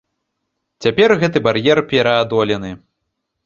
Цяпер гэты бар'ер пераадолены.